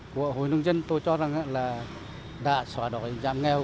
của hội nông dân tôi cho rằng là đã xóa đói giảm nghèo